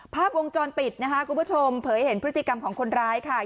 ภาพวงจรปิดนะคะคุณผู้ชมเผยเห็นพฤติกรรมของคนร้ายค่ะ